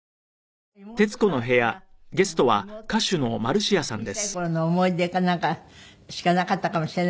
妹さんは妹っていう小さい頃の思い出かなんかしかなかったかもしれないけど。